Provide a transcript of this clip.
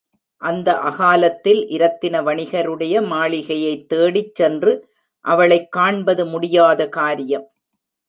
அந்த அகாலத்தில் இரத்தின வணிகருடைய மாளிகையைத் தேடிச் சென்று அவளைக் காண்பது முடியாத காரியம்.